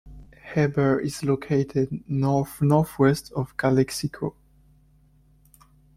Heber is located north-northwest of Calexico.